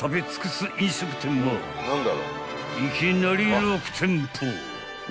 ［いきなり６店舗］